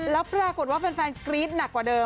แล้วปรากฏว่าแฟนกรี๊ดหนักกว่าเดิม